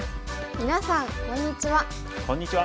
みなさんこんにちは。